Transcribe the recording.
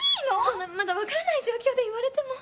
そんなまだわからない状況で言われても。